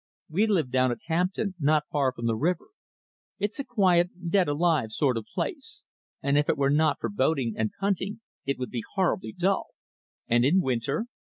We live down at Hampton, not far from the river. It's a quiet, dead alive sort of place, and if it were not for boating and punting it would be horribly dull." "And in winter?"